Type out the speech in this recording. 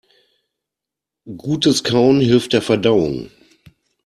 Gutes Kauen hilft der Verdauung.